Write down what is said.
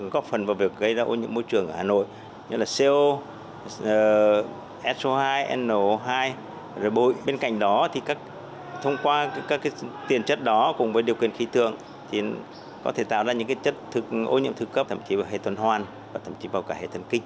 có phần vào việc gây ra ô nhiễm môi trường ở hà nội như là co so hai no hai rồi bên cạnh đó thì thông qua các tiền chất đó cùng với điều kiện khí tượng thì có thể tạo ra những chất ô nhiễm thư cấp thậm chí vào hệ tuần hoan và thậm chí vào cả hệ tuần kinh